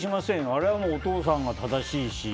あれはお父さんが正しいし。